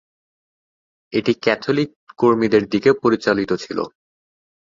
এটি ক্যাথলিক কর্মীদের দিকে পরিচালিত ছিল।